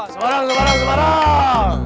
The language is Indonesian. semarang semarang semarang